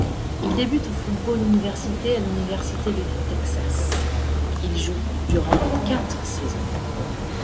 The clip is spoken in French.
Il débute au football universitaire à l'Université du Texas il joue durant quatre saisons.